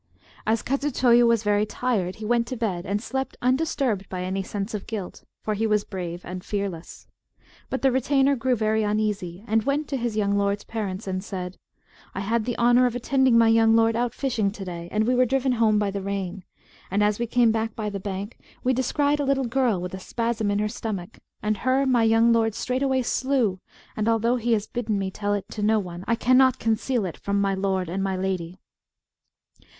As Kadzutoyo was very tired, he went to bed, and slept undisturbed by any sense of guilt; for he was brave and fearless. But the retainer grew very uneasy, and went to his young lord's parents and said "I had the honour of attending my young lord out fishing to day, and we were driven home by the rain. And as we came back by the bank, we descried a girl with a spasm in her stomach, and her my young lord straightway slew; and although he has bidden me tell it to no one, I cannot conceal it from my lord and my lady."